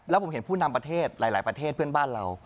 แล้วผมเห็นผู้นำประเทศหลายประเทศเพื่อนบ้านเรา